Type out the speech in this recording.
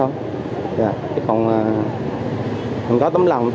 mà còn không có tấm lòng